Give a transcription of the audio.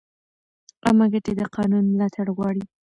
عامه ګټې د قانون ملاتړ غواړي.